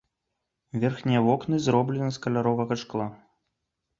Верхнія вокны зроблены з каляровага шкла.